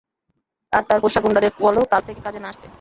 আর তার পোষা গুন্ডাদের বলো কাল থেকে কাজে না আসতে।